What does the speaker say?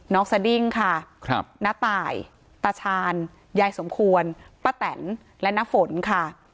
สดิ้งค่ะณตายตาชาญยายสมควรป้าแตนและน้าฝนค่ะ